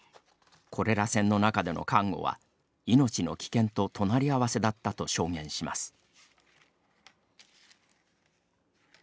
コレラ船の中での看護は命の危険と隣り合わせだったと証言します。